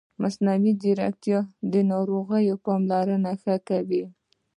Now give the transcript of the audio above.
مصنوعي ځیرکتیا د ناروغانو پاملرنه ښه کوي.